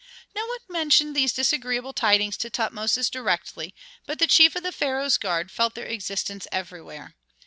No one mentioned these disagreeable tidings to Tutmosis directly, but the chief of the pharaoh's guard felt their existence everywhere.